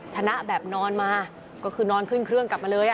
ชนะแบบนอนมาก็คือนอนขึ้นเครื่องกลับมาเลย